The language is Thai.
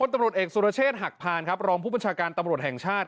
ตำรวจเอกสุรเชษฐ์หักพานครับรองผู้บัญชาการตำรวจแห่งชาติ